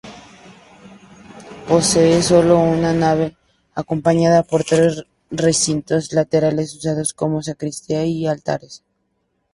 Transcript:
Posee solo una nave, acompañada por tres recintos laterales usados como sacristía y altares.